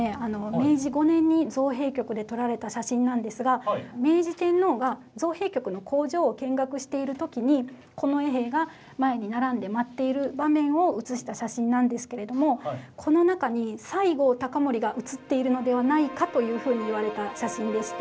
明治５年に造幣局で撮られた写真なんですが明治天皇が造幣局の工場を見学している時に近衛兵が前に並んで待っている場面を写した写真なんですけれどもというふうにいわれた写真でして。